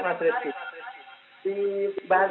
di bahasa indonesia yang masih berkembang ini ya